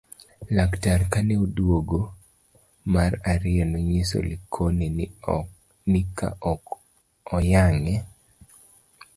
laktar kane oduogo mar ariyo nonyiso Likono ni ka ok oyang'e